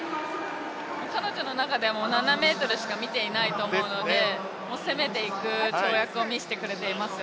彼女の中では７ｍしか見ていないと思うので、攻めていく跳躍を見せてくれていますよ。